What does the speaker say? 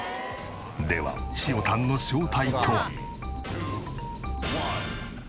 ではしおたんの正体とは。